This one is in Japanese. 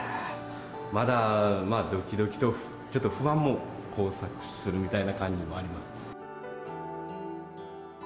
まだどきどきと、ちょっと不安も交錯するみたいな感じもあります。